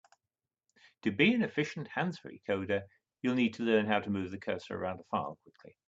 To be an efficient hands-free coder, you'll need to learn how to move the cursor around a file quickly.